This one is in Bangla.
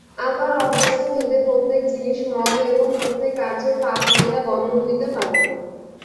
আবার অবস্থাভেদে প্রত্যেক জিনিষ মন্দ এবং প্রত্যেক কার্যই পাপ বলিয়া গণ্য হইতে পারে।